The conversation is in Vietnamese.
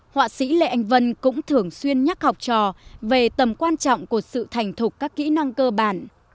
họa sĩ lê anh vân cũng thường xuyên nhắc học trò về tầm quan trọng của sự thành thục các kỹ năng cơ bản